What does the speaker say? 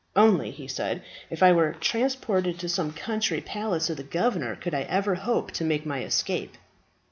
"Only," he said, "if I were transported to some country palace of the governor could I ever hope to make my escape."